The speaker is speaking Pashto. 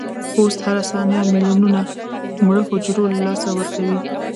پوست هره ثانیه ملیونونه مړه حجرو له لاسه ورکوي.